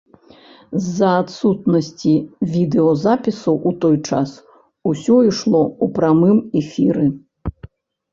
З-за адсутнасці відэазапісу ў той час, усё ішло ў прамым эфіры.